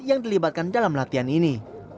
yang dilibatkan dalam latihan ini